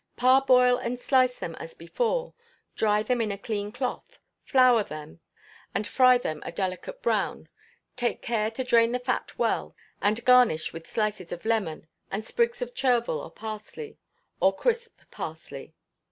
Parboil and slice them as before, dry them in a clean cloth, flour them, and fry them a delicate brown; take care to drain the fat well, and garnish with slices of lemon, and sprigs of chervil or parsley, or crisp parsley.